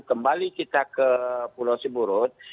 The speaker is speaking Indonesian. kembali kita ke pulau siburut